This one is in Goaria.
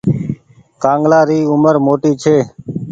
ڪآنگلآ ري اومر موٽي ڇي۔